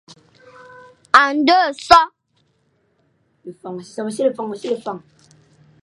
A ndôghe so,